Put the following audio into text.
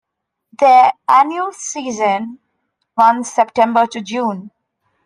Their annual season runs September-June.